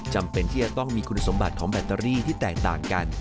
จำเป็นที่จะต้องมีคุณสมบัติของแบตเตอรี่ที่แตกต่างกัน